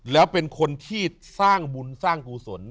แล้วเป็นคนที่สร้างบุญสร้างกุศล